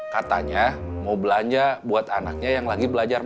katanya mau belanja buat anaknya yang lagi berusia lima belas tahun